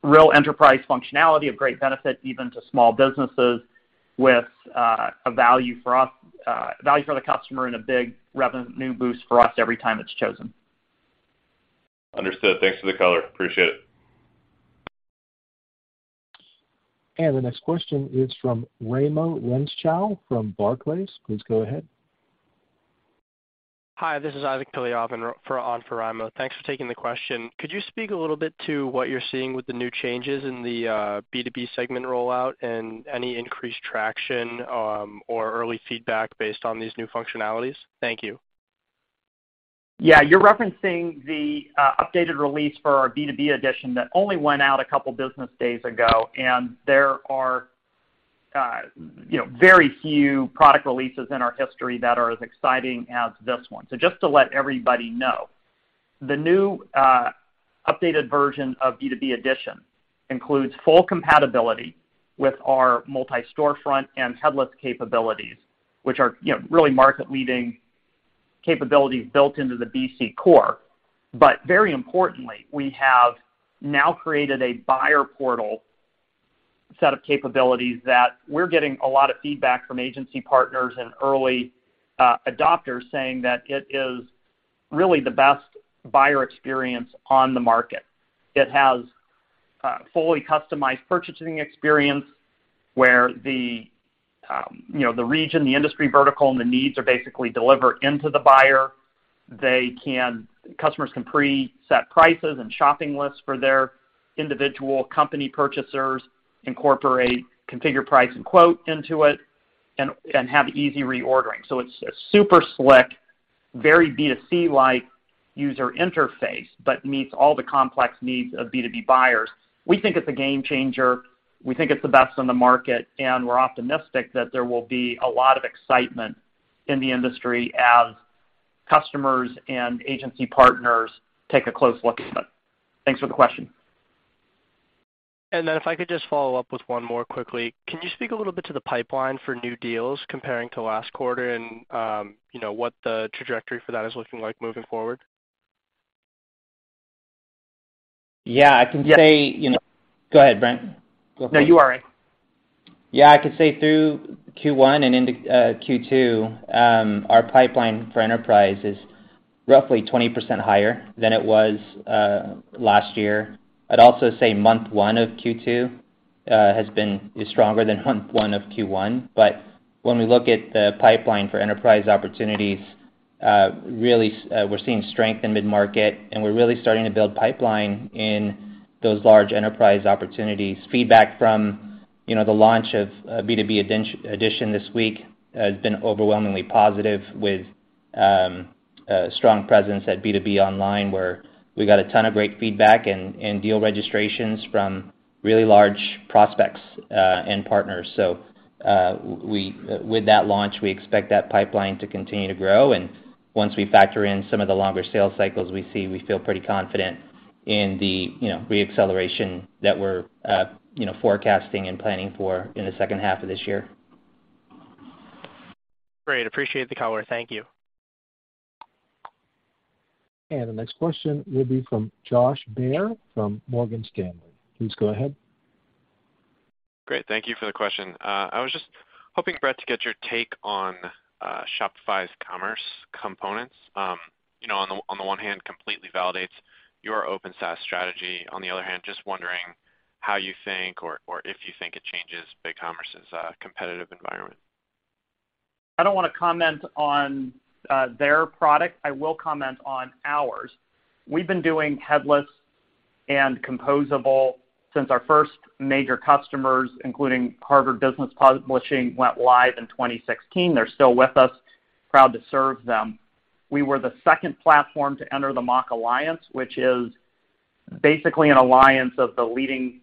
real enterprise functionality of great benefit even to small businesses with a value for us, value for the customer and a big revenue new boost for us every time it's chosen. Understood. Thanks for the color. Appreciate it. The next question is from Raimo Lenschow from Barclays. Please go ahead. Hi, this is Alex Zukin for, on for Raimo. Thanks for taking the question. Could you speak a little bit to what you're seeing with the new changes in the B2B segment rollout and any increased traction or early feedback based on these new functionalities? Thank you. Yeah. You're referencing the updated release for our B2B Edition that only went out 2 business days ago. There are, you know, very few product releases in our history that are as exciting as this one. Just to let everybody know, the new updated version of B2B Edition includes full compatibility with our Multi-Storefront and headless capabilities, which are, you know, really market-leading capabilities built into the BC core. Very importantly, we have now created a buyer portal set of capabilities that we're getting a lot of feedback from agency partners and early adopters saying that it is really the best buyer experience on the market. It has a fully customized purchasing experience where the, you know, the region, the industry vertical, and the needs are basically delivered into the buyer. Customers can preset prices and shopping lists for their individual company purchasers, incorporate configure price and quote into it, and have easy reordering. It's a super slick, very B2C-like user interface, but meets all the complex needs of B2B buyers. We think it's a game changer. We think it's the best on the market, and we're optimistic that there will be a lot of excitement in the industry as customers and agency partners take a close look at it. Thanks for the question. If I could just follow up with one more quickly. Can you speak a little bit to the pipeline for new deals comparing to last quarter and, you know, what the trajectory for that is looking like moving forward? Yeah. I can say, you know, Go ahead, Brent. Go for it. No, you are, RA. Yeah. I can say through Q1 and into Q2, our pipeline for enterprise is roughly 20% higher than it was last year. I'd also say month one of Q2 is stronger than month one of Q1. When we look at the pipeline for enterprise opportunities, really, we're seeing strength in mid-market, and we're really starting to build pipeline in those large enterprise opportunities. Feedback from, you know, the launch of B2B Edition this week has been overwhelmingly positive with strong presence at B2B Online, where we got a ton of great feedback and deal registrations from really large prospects and partners. With that launch, we expect that pipeline to continue to grow. Once we factor in some of the longer sales cycles we see, we feel pretty confident in the, you know, re-acceleration that we're, you know, forecasting and planning for in the second half of this year. Great. Appreciate the color. Thank you. The next question will be from Josh Baer from Morgan Stanley. Please go ahead. Great. Thank you for the question. I was just hoping, Brent, to get your take on Shopify's Commerce Components. you know, on the one hand, completely validates your open SaaS strategy. On the other hand, just wondering how you think or if you think it changes BigCommerce's competitive environment. I don't wanna comment on their product. I will comment on ours. We've been doing headless and composable since our first major customers, including Harvard Business Publishing, went live in 2016. They're still with us. Proud to serve them. We were the second platform to enter the MACH Alliance, which is basically an Alliance of the leading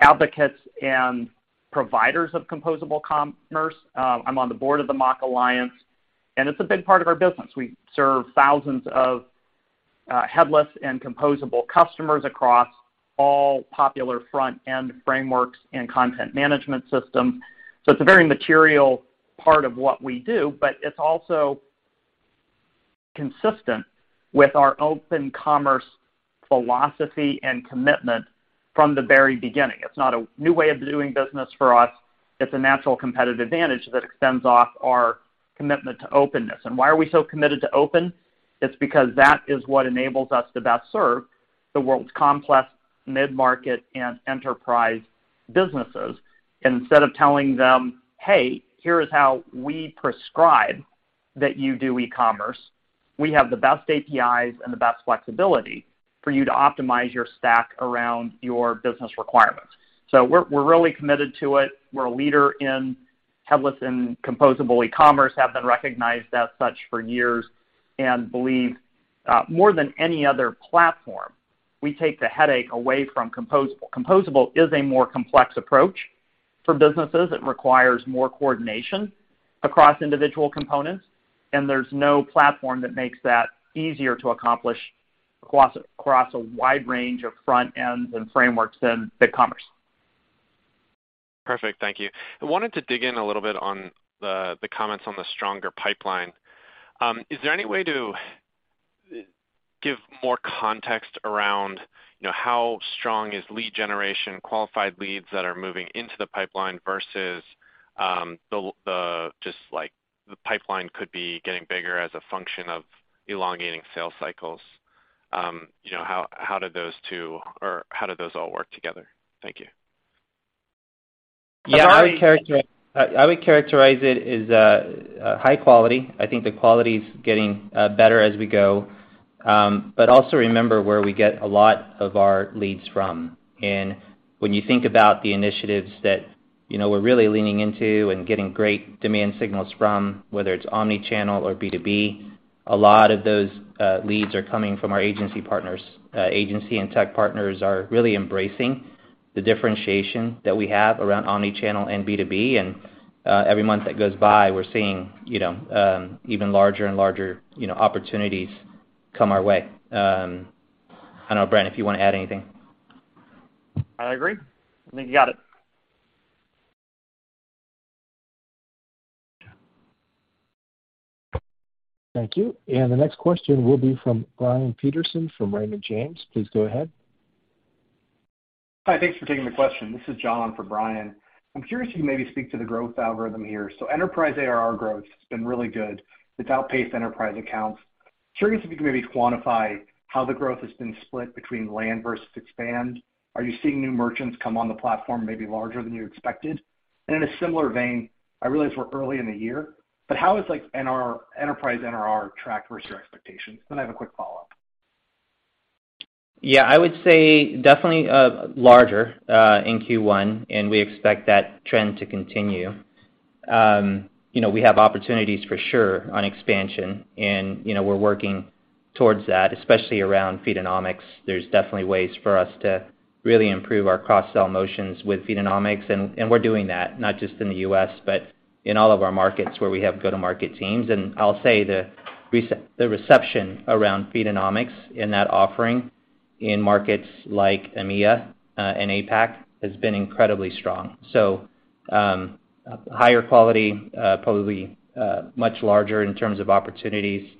advocates and providers of composable commerce. I'm on the board of the MACH Alliance, and it's a big part of our business. We serve thousands of headless and composable customers across all popular front-end frameworks and content management systems. It's a very material part of what we do, but it's also consistent with our open commerce philosophy and commitment from the very beginning. It's not a new way of doing business for us. It's a natural competitive advantage that extends off our commitment to openness. Why are we so committed to open? It's because that is what enables us to best serve the world's complex mid-market and enterprise businesses. Instead of telling them, "Hey, here is how we prescribe that you do e-commerce," we have the best APIs and the best flexibility for you to optimize your stack around your business requirements. We're really committed to it. We're a leader in headless and composable e-commerce, have been recognized as such for years, and believe more than any other platform, we take the headache away from composable. Composable is a more complex approach for businesses. It requires more coordination across individual components, and there's no platform that makes that easier to accomplish across a wide range of front ends and frameworks than BigCommerce. Perfect. Thank you. I wanted to dig in a little bit on the comments on the stronger pipeline. Is there any way to give more context around, you know, how strong is lead generation, qualified leads that are moving into the pipeline versus, the just like the pipeline could be getting bigger as a function of elongating sales cycles? You know, how did those two or how do those all work together? Thank you. Yeah. I would characterize it as a high quality. I think the quality's getting better as we go. Also remember where we get a lot of our leads from. When you think about the initiatives that, you know, we're really leaning into and getting great demand signals from, whether it's omni-channel or B2B, a lot of those leads are coming from our agency partners. Agency and tech partners are really embracing the differentiation that we have around omni-channel and B2B. Every month that goes by, we're seeing, you know, even larger and larger, you know, opportunities come our way. I don't know, Brent, if you wanna add anything. I agree. I think you got it. Thank you. The next question will be from Brian Peterson from Raymond James. Please go ahead. Hi. Thanks for taking the question. This is John for Brian. I'm curious if you can maybe speak to the growth algorithm here. Enterprise ARR growth has been really good. It's outpaced enterprise accounts. Curious if you can maybe quantify how the growth has been split between land versus expand. Are you seeing new merchants come on the platform maybe larger than you expected? In a similar vein, I realize we're early in the year, but how is, like, enterprise NRR track versus your expectations? I have a quick follow-up. Yeah, I would say definitely, larger in Q1. We expect that trend to continue. You know, we have opportunities for sure on expansion and, you know, we're working towards that, especially around Feedonomics. There's definitely ways for us to really improve our cross-sell motions with Feedonomics, and we're doing that not just in the U.S., but in all of our markets where we have go-to-market teams. I'll say the reception around Feedonomics in that offering in markets like EMEA and APAC has been incredibly strong. Higher quality, probably much larger in terms of opportunities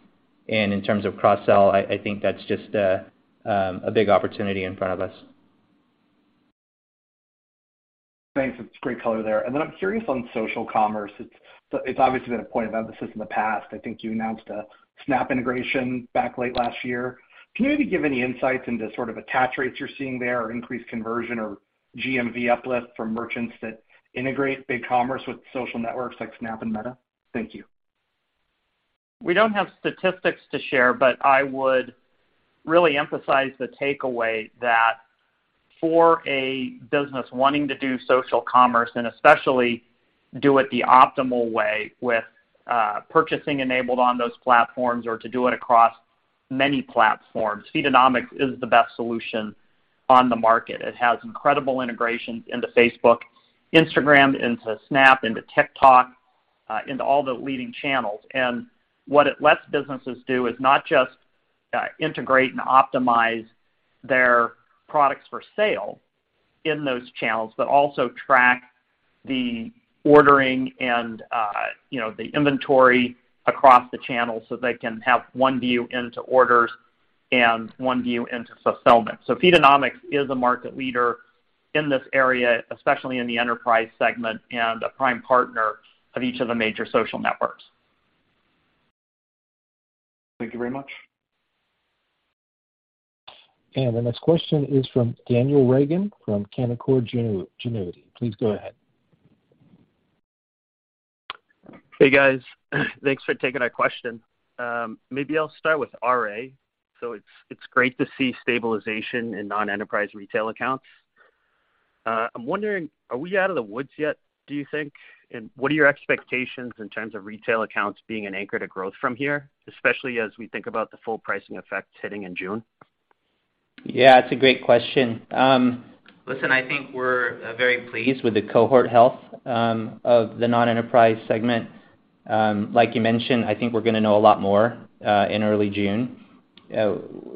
and in terms of cross-sell, I think that's just a big opportunity in front of us. Thanks. It's great color there. I'm curious on social commerce. It's obviously been a point of emphasis in the past. I think you announced a Snap integration back late last year. Can you maybe give any insights into sort of attach rates you're seeing there or increased conversion or GMV uplift from merchants that integrate BigCommerce with social networks like Snap and Meta? Thank you. We don't have statistics to share, but I would really emphasize the takeaway that for a business wanting to do social commerce and especially do it the optimal way with purchasing enabled on those platforms or to do it across many platforms, Feedonomics is the best solution on the market. It has incredible integrations into Facebook, Instagram, into Snap, into TikTok, into all the leading channels. What it lets businesses do is not just integrate and optimize their products for sale in those channels, but also track the ordering and, you know, the inventory across the channel so they can have one view into orders and one view into fulfillment. Feedonomics is a market leader in this area, especially in the enterprise segment and a prime partner of each of the major social networks. Thank you very much. The next question is from Daniel Reagan from Canaccord Genuity. Please go ahead. Hey, guys. Thanks for taking our question. maybe I'll start with RA. It's great to see stabilization in non-enterprise retail accounts. I'm wondering, are we out of the woods yet, do you think? What are your expectations in terms of retail accounts being an anchor to growth from here, especially as we think about the full pricing effects hitting in June? It's a great question. Listen, I think we're very pleased with the cohort health of the non-enterprise segment. Like you mentioned, I think we're gonna know a lot more in early June.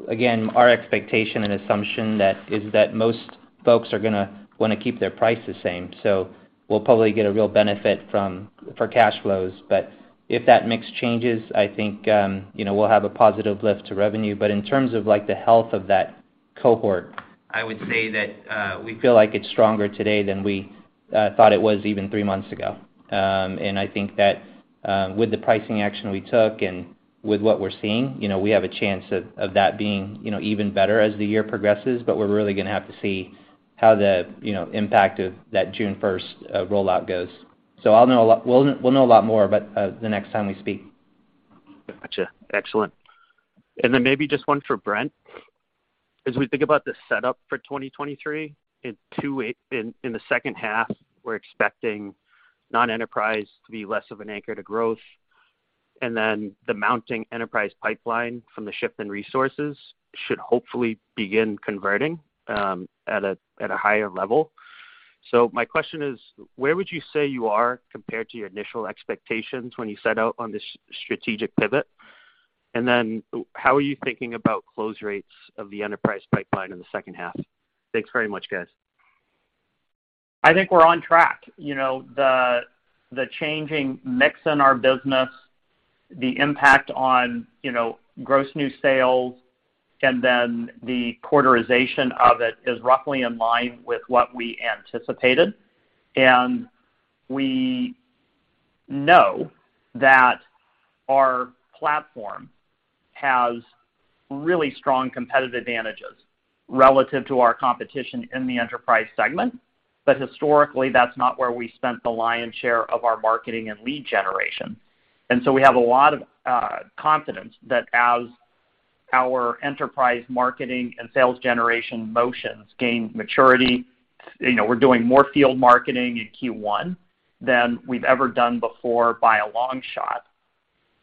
Again, our expectation and assumption that is that most folks are gonna wanna keep their price the same. We'll probably get a real benefit for cash flows. If that mix changes, I think, you know, we'll have a positive lift to revenue. In terms of, like, the health of that cohort, I would say that we feel like it's stronger today than we thought it was even 3 months ago. I think that, with the pricing action we took and with what we're seeing, you know, we have a chance of that being, you know, even better as the year progresses. We're really gonna have to see how the, you know, impact of that June first rollout goes. We'll know a lot more about the next time we speak. Gotcha. Excellent. Maybe just one for Brent. As we think about the setup for 2023, in the second half, we're expecting non-enterprise to be less of an anchor to growth, the mounting enterprise pipeline from the ship and resources should hopefully begin converting at a higher level. My question is: where would you say you are compared to your initial expectations when you set out on this strategic pivot? How are you thinking about close rates of the enterprise pipeline in the second half? Thanks very much, guys. I think we're on track. You know, the changing mix in our business, the impact on, you know, gross new sales, and then the quarterization of it is roughly in line with what we anticipated. We know that our platform has really strong competitive advantages relative to our competition in the enterprise segment. Historically, that's not where we spent the lion's share of our marketing and lead generation. We have a lot of confidence that as our enterprise marketing and sales generation motions gain maturity, you know, we're doing more field marketing in Q1 than we've ever done before by a long shot.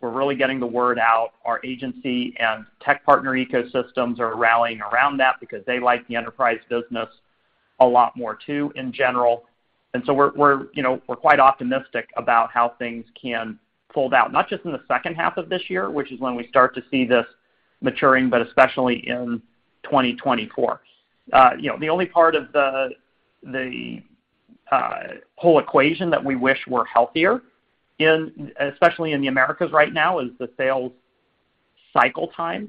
We're really getting the word out. Our agency and tech partner ecosystems are rallying around that because they like the enterprise business a lot more too, in general. We're, you know, we're quite optimistic about how things can fold out, not just in the second half of this year, which is when we start to see this maturing, but especially in 2024. You know, the only part of the whole equation that we wish were healthier in, especially in the Americas right now, is the sales cycle time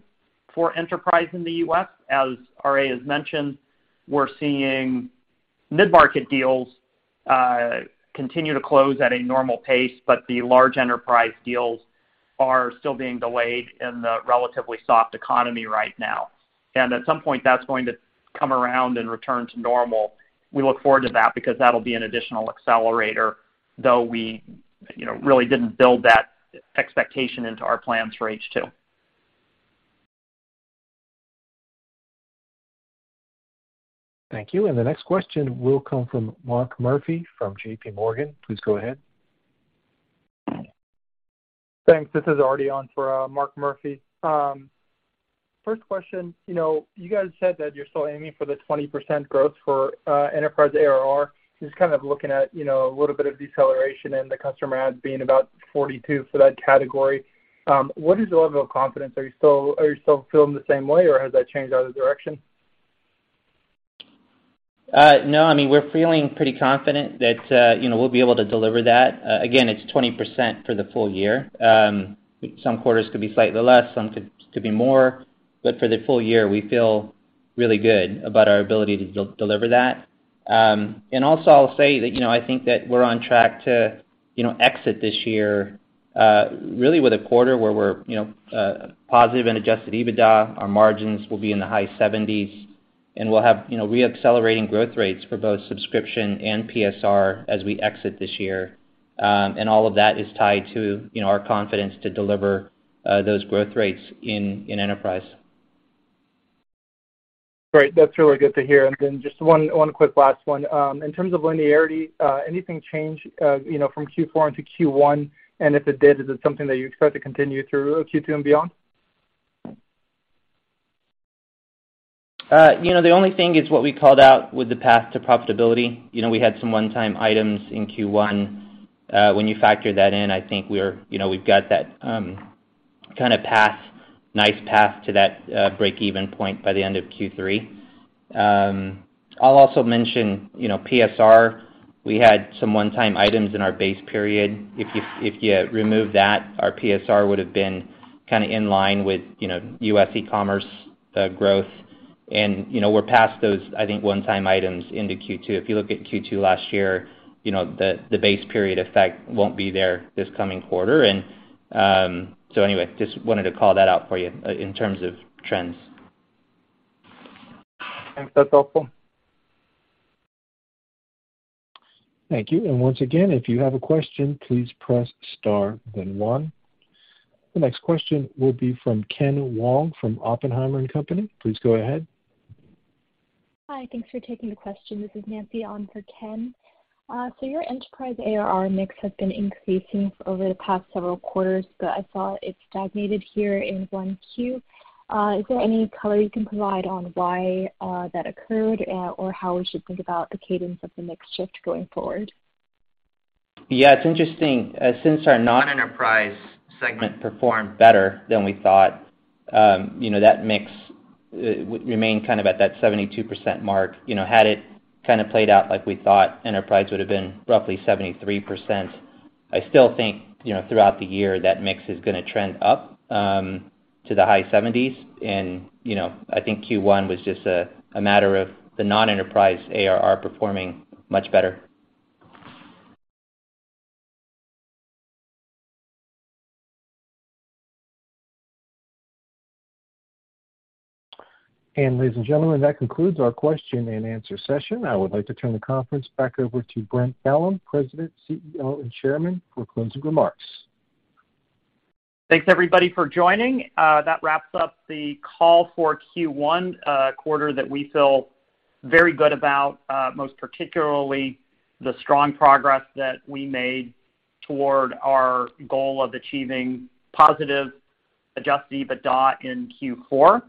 for enterprise in the U.S. As RA has mentioned, we're seeing mid-market deals continue to close at a normal pace, but the large enterprise deals are still being delayed in the relatively soft economy right now. At some point, that's going to come around and return to normal. We look forward to that because that'll be an additional accelerator, though we, you know, really didn't build that- Expectation into our plans for H2. Thank you. The next question will come from Mark Murphy from J.P. Morgan. Please go ahead. Thanks. This is already on for Mark Murphy. First question, you know, you guys said that you're still aiming for the 20% growth for enterprise ARR. Just kind of looking at, you know, a little bit of deceleration in the customer adds being about 42 for that category. What is the level of confidence? Are you still feeling the same way, or has that changed either direction? No. I mean, we're feeling pretty confident that we'll be able to deliver that. Again, it's 20% for the full year. Some quarters could be slightly less, some could be more, but for the full year, we feel really good about our ability to deliver that. Also I'll say that I think that we're on track to exit this year really with a quarter where we're positive and adjusted EBITDA. Our margins will be in the high seventies, and we'll have re-accelerating growth rates for both subscription and PSR as we exit this year. All of that is tied to our confidence to deliver those growth rates in enterprise. Great. That's really good to hear. Then just one quick last one. In terms of linearity, anything change, you know, from Q4 into Q1? If it did, is it something that you expect to continue through Q2 and beyond? You know, the only thing is what we called out with the path to profitability. You know, we had some one-time items in Q1. When you factor that in, I think we're, you know, we've got that kind of path, nice path to that breakeven point by the end of Q3. I'll also mention, you know, PSR, we had some one-time items in our base period. If you remove that, our PSR would have been kind of in line with, you know, U.S. e-commerce growth. You know, we're past those, I think, one-time items into Q2. If you look at Q2 last year, you know, the base period effect won't be there this coming quarter. Anyway, just wanted to call that out for you in terms of trends. Thanks. That's helpful. Thank you. Once again, if you have a question, please press star then one. The next question will be from Ken Wong from Oppenheimer & Co. Please go ahead. Hi. Thanks for taking the question. This is Nancy on for Ken. Your enterprise ARR mix has been increasing over the past several quarters, but I saw it stagnated here in 1Q. Is there any color you can provide on why that occurred or how we should think about the cadence of the mix shift going forward? Yeah, it's interesting. Since our non-enterprise segment performed better than we thought, you know, that mix would remain kind of at that 72% mark. You know, had it kind of played out like we thought, enterprise would have been roughly 73%. I still think, you know, throughout the year, that mix is going to trend up to the high 70s. You know, I think Q1 was just a matter of the non-enterprise ARR performing much better. Ladies and gentlemen, that concludes our question and answer session. I would like to turn the conference back over to Brent Bellm, President, CEO, and Chairman for closing remarks. Thanks everybody for joining. That wraps up the call for Q1, a quarter that we feel very good about, most particularly the strong progress that we made toward our goal of achieving positive adjusted EBITDA in Q4,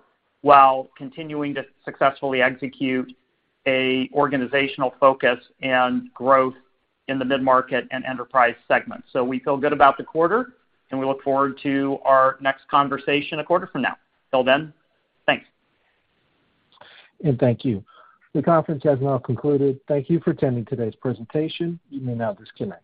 while continuing to successfully execute a organizational focus and growth in the mid-market and enterprise segment. We feel good about the quarter, and we look forward to our next conversation a quarter from now. Till then, thanks. Thank you. The conference has now concluded. Thank you for attending today's presentation. You may now disconnect.